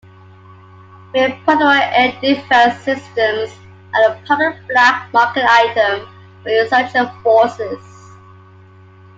Man-portable air defense systems are a popular black market item for insurgent forces.